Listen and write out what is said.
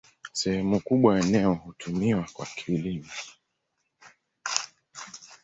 Sehemu kubwa ya eneo hutumiwa kwa kilimo.